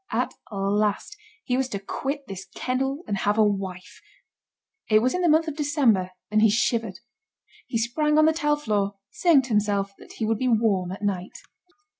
At last he was to quit this kennel and have a wife. It was in the month of December and he shivered. He sprang on the tile floor, saying to himself that he would be warm at night.